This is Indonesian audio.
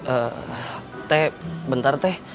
eh teh bentar teh